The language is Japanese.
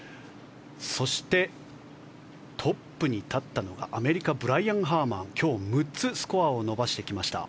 そして、トップに立ったのがアメリカ、ブライアン・ハーマン今日、６つスコアを伸ばしてきました。